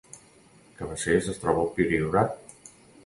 Cabacés es troba al Priorat